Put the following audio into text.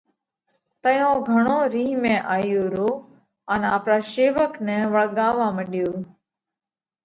تئيون گھڻو رِينه ۾ آيو رو ان آپرا شيوَڪ نئہ وۯڳاوَوا مڏيو: